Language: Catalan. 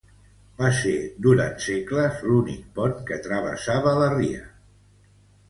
Va ser durant segles l'únic pont que travessava la ria.